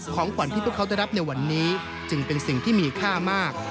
ของขวัญที่พวกเขาจะรับในวันนี้จึงเป็นสิ่งที่มีค่ามาก